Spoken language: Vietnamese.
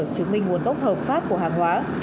chứng minh nguồn gốc hợp pháp của hàng hóa